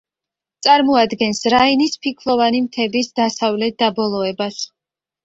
წარმოადგენს რაინის ფიქლოვანი მთების დასავლეთ დაბოლოებას.